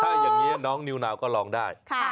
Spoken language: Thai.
ถ้าอย่างนี้น้องนิวนาวก็ร้องได้